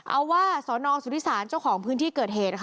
เอาว่าสนสุธิศาลเจ้าของพื้นที่เกิดเหตุ